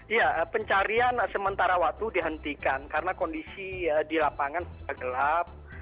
iya pencarian sementara waktu dihentikan karena kondisi di lapangan sudah gelap